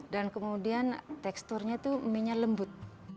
dan kemudian teksturnya tuh mie nya lembut